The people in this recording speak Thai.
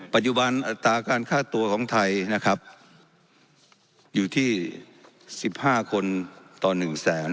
ปัจจุบันอัตราการค่าตัวของไทยนะครับอยู่ที่๑๕คนต่อ๑แสน